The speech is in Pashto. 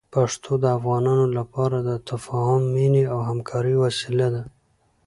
پښتو د افغانانو لپاره د تفاهم، مینې او همکارۍ وسیله ده.